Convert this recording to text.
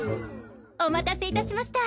お待たせ致しました。